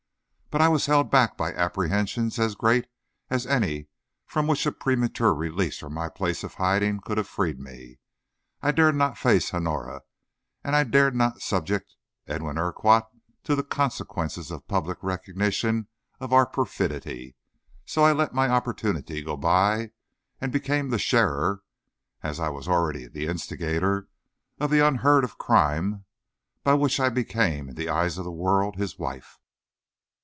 But I was held back by apprehensions as great as any from which a premature release from my place of hiding could have freed me. I dared not face Honora, and I dared not subject Edwin Urquhart to the consequences of a public recognition of our perfidy, and so I let my opportunity go by, and became the sharer, as I was already the instigator, of the unheard of crime by which I became, in the eyes of the world, his wife.